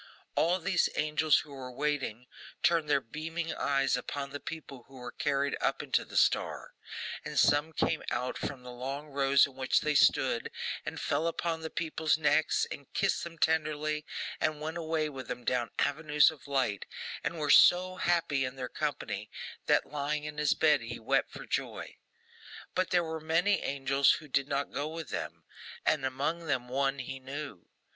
All these angels, who were waiting, turned their beaming eyes upon the people who were carried up into the star; and some came out from the long rows in which they stood, and fell upon the people's necks, and kissed them tenderly, and went away with them down avenues of light, and were so happy in their company, that lying in his bed he wept for joy. But, there were many angels who did not go with them, and among them one he knew.